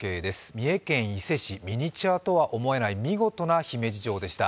三重県伊勢市、ミニチュアとは思えない見事な姫路城でした。